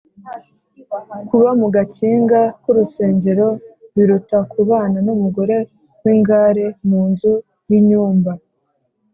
kuba mu gakinga k’urusenge, biruta kubana n’umugore w’ingare mu nzu y’inyumba